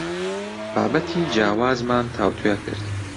بابەتی جیاوازمان تاوتوێ کرد.